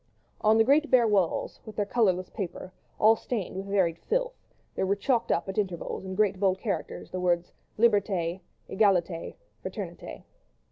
On the great bare walls, with their colourless paper, all stained with varied filth, there were chalked up at intervals in great bold characters, the words: "Liberté—Egalité—Fraternité."